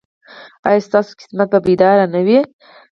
ایا ستاسو قسمت به بیدار نه وي؟